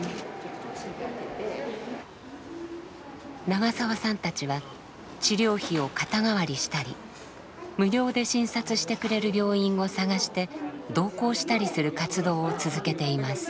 長澤さんたちは治療費を肩代わりしたり無料で診察してくれる病院を探して同行したりする活動を続けています。